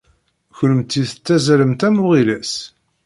Kennemti tettazzalemt am uɣilas.